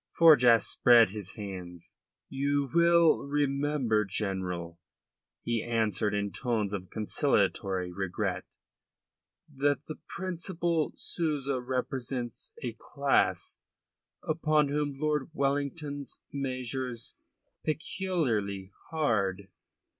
Forjas spread his hands. "You will remember, General," he answered, in tones of conciliatory regret, "that the Principal Souza represents a class upon whom Lord Wellington's measures bear in a manner peculiarly hard."